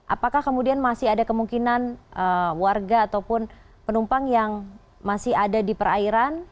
apakah kemudian masih ada kemungkinan warga ataupun penumpang yang masih ada di perairan